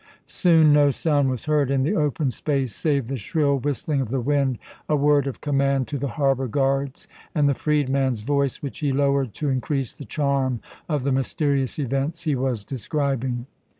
Soon no sound was heard in the open space save the shrill whistling of the wind, a word of command to the harbour guards, and the freedman's voice, which he lowered to increase the charm of the mysterious events he was describing.